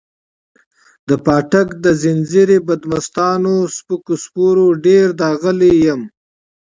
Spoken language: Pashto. د پاټک د ځنځیري بدمستانو سپکو سپورو ډېر داغلی یم.